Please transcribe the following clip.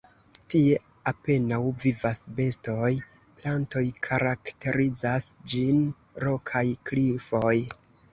Tie apenaŭ vivas bestoj, plantoj, karakterizas ĝin rokaj klifoj.